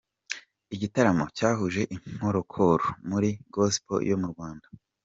Igitaramo cyahuje inkorokoro muri Gospel yo mu Rwanda.